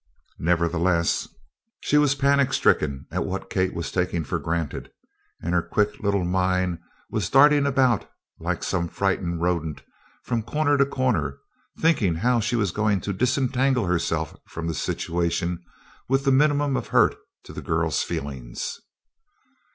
Nevertheless, she was panic stricken at what Kate was taking for granted and her quick little mind was darting about like some frightened rodent from corner to corner, thinking how she was going to disentangle herself from the situation with the minimum of hurt to the girl's feelings.